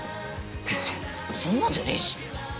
いやそんなんじゃねぇし！